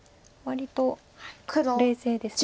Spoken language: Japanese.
割と冷静です。